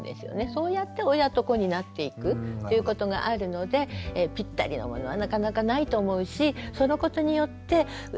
そうやって親と子になっていくっていうことがあるのでピッタリのものはなかなかないと思うしそのことによってテレビとかね